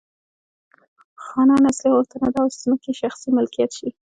خانانو اصلي غوښتنه دا وه چې ځمکې یې شخصي ملکیت شي.